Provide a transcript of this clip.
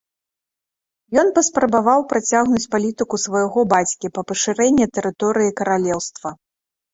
Ён паспрабаваў працягнуць палітыку свайго бацькі па пашырэнні тэрыторыі каралеўства.